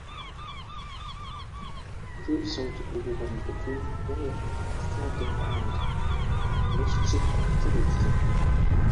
Grande sought equilibrium between prayer, study and apostolic activity.